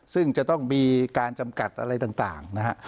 ซึ่งจะต้องมีการจำกัดอะไรต่างนะฮะ